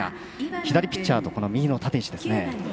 左ピッチャーと右の立石ですね。